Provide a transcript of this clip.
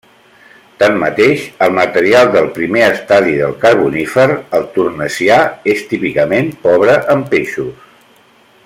Tanmateix, el material del primer estadi del Carbonífer, el Tournaisià, és típicament pobre en peixos.